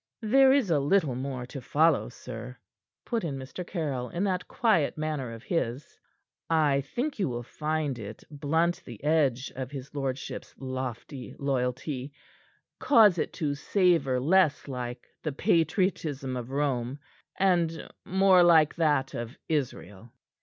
"There is a little more to follow, sir," put in Mr. Caryll, in that quiet manner of his. "I think you will find it blunt the edge of his lordship's lofty loyalty cause it to savor less like the patriotism of Rome, and more like that of Israel."